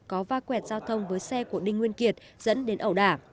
có va quẹt giao thông với xe của đinh nguyên kiệt dẫn đến ẩu đả